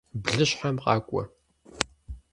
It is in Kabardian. Блыщхьэм къакӏуэ!